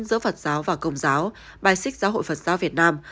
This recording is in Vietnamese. giữa phật giáo và công giáo bài sách giáo hội phật giáo việt nam